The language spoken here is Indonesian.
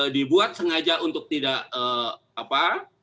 dibuat sengaja untuk tidak apa